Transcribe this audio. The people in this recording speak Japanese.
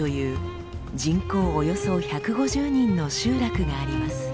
およそ１５０人の集落があります。